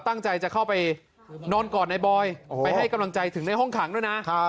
ตั้งใจจะเข้าไปนอนกอดในบอยไปให้กำลังใจถึงในห้องขังด้วยนะ